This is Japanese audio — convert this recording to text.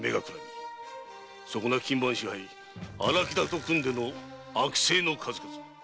そこな勤番支配・荒木田と組んで悪政の数々。